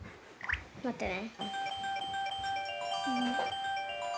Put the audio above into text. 待ってね。